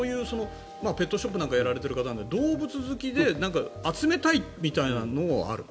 ペットショップなんかをやられている方なので動物好きで集めたいみたいなのはある？